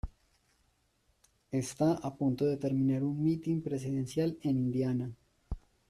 Está a punto de terminar un mitin presidencial en Indiana.